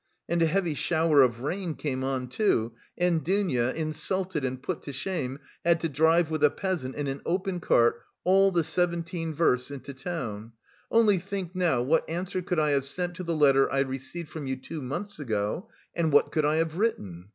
And a heavy shower of rain came on, too, and Dounia, insulted and put to shame, had to drive with a peasant in an open cart all the seventeen versts into town. Only think now what answer could I have sent to the letter I received from you two months ago and what could I have written?